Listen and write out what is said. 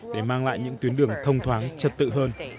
để mang lại những tuyến đường thông thoáng trật tự hơn